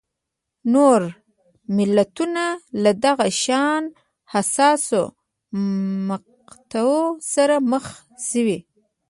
نور ملتونه له دغه شان حساسو مقطعو سره مخ شوي.